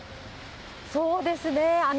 そうですね。